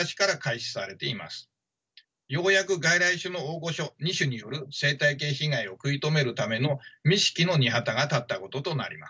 ようやく外来種の大御所２種による生態系被害を食い止めるための錦の御旗が立ったこととなります。